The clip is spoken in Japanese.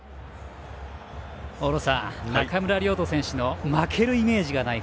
大野さん中村亮土選手の負けるイメージがない。